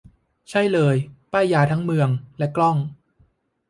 ใช่เลย ป้ายยาทั้งเมืองและกล้อง